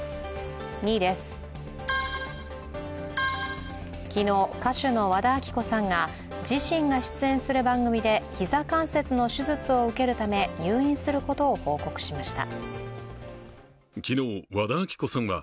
２位です、昨日、歌手の和田アキ子さんが自身が出演する番組で膝関節の手術を受けるため入院することを報告しました。